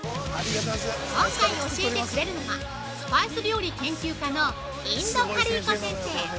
◆今回教えてくれるのは、スパイス料理研究家の印度カリー子先生。